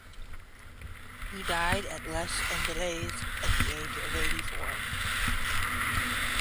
He died at Les Andelys at the age of eighty-four.